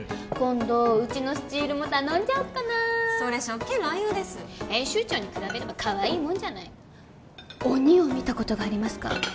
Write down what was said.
今度うちのスチールも頼んじゃおっかなそれ職権乱用です編集長に比べればかわいいもんじゃない鬼を見たことがありますか？